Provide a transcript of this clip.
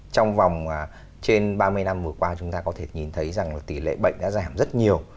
trong vòng trên ba mươi năm vừa qua chúng ta có thể nhìn thấy rằng là tỷ lệ bệnh đã giảm rất nhiều